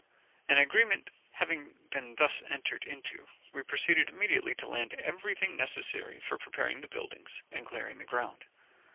An agreement having been thus entered into, we proceeded immediately to land everything necessary for preparing the buildings and clearing the ground.